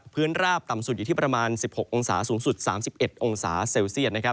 ราบต่ำสุดอยู่ที่ประมาณ๑๖องศาสูงสุด๓๑องศาเซลเซียต